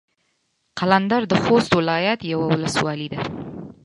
قلندر د خوست ولايت يوه ولسوالي ده.